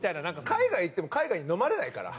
海外行っても海外にのまれないから。